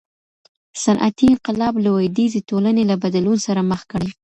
صنعتي انقلاب لویدیځې ټولني له بدلون سره مخ کړې.